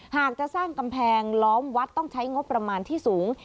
หากจะสร้างกำแพงล้อมวัดต้องใช้งบประมาณที่สูง